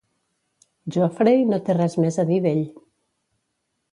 Geoffrey no té res més a dir d'ell.